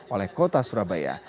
oleh kota surabaya